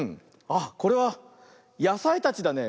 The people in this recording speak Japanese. あっこれはやさいたちだね。